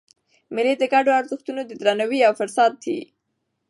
مېلې د ګډو ارزښتونو د درناوي یو فرصت يي.